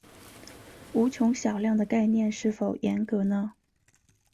无穷小量的概念是否严格呢？